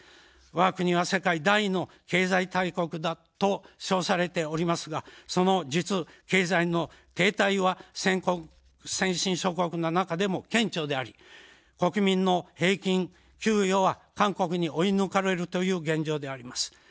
わが国は世界第２位の経済大国だと称されておりますが、その実、経済の停滞は先進諸国の中でも顕著であり、国民の平均給与は韓国に追い抜かれるという現状であります。